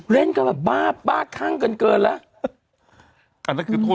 เล่นก็แบบบ้าขั้งเกินแล้ว